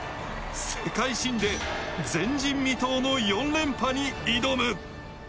世界新で前人未到の４連覇に挑む。